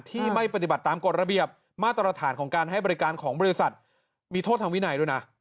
ที่ไม่ปฏิบัติตามกฎระเบียบมาตรฐานของการให้บริการของบริษัทมีโทษทางวินัยด้วยนะ